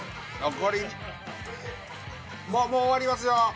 残りもう終わりますよ。